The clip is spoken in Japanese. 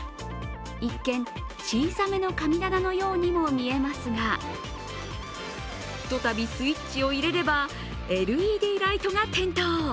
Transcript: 一見、小さめの神棚のようにも見えますが一たびスイッチを入れれば、ＬＥＤライトが点灯。